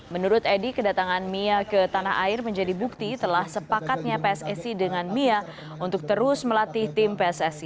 menurut edi kedatangan mia ke tanah air menjadi bukti telah sepakatnya pssi dengan mia untuk terus melatih tim pssi